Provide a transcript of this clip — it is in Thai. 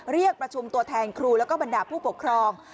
เรียกประชุมตัวแทนครูแล้วก็บรรดาผู้ปกครอง